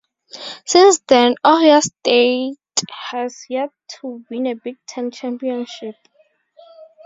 Since then, Ohio State has yet to win a Big Ten Championship.